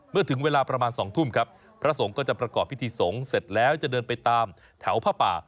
เมื่อถึงเวลาประมาณ๒ทุ่มครับพระสงฆ์ก็จะประกอบพิธีสงฆ์เสร็จแล้วจะเดินไปตามแถวผ้าป่า